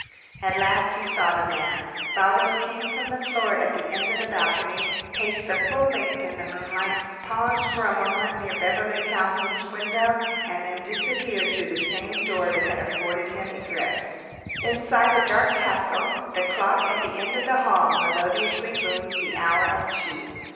At last he saw the man. Baldos came from the floor at the end of the balcony, paced the full length in the moonlight, paused for a moment near Beverly Calhoun's window and then disappeared through the same door that had afforded him egress. Inside the dark castle the clock at the end of the hall melodiously boomed the hour of two.